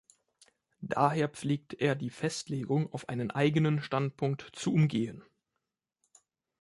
Daher pflegte er die Festlegung auf einen eigenen Standpunkt zu umgehen.